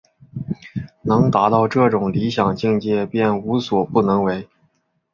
能达到这种理想境界便无所不能为。